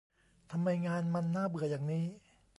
ทำไมงานมันน่าเบื่ออย่างนี้